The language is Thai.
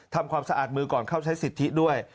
ทำความสะอาดมือก่อนเข้าใช้สิทธิด้วย